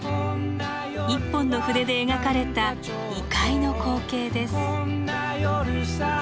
１本の筆で描かれた異界の光景です。